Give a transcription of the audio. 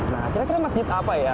nah kira kira masjid apa ya